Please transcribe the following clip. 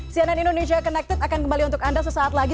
cnn indonesia connected akan kembali untuk anda sesaat lagi